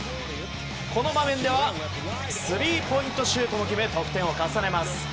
この場面ではスリーポイントシュートを決め得点を重ねます。